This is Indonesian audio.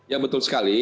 ya betul sekali